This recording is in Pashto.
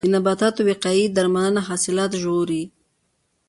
د نباتاتو وقایوي درملنه حاصلات ژغوري.